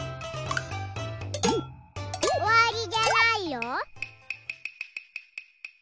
おわりじゃないよ。